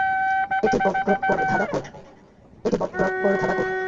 এমনি বকরবকর, ধাঁধা, কোড।